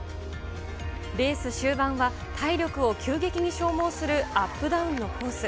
レース終盤は体力を急激に消耗するアップダウンのコース。